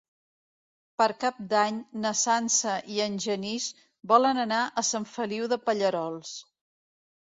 Per Cap d'Any na Sança i en Genís volen anar a Sant Feliu de Pallerols.